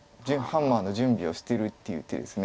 ハンマーの準備をしてるっていう手です。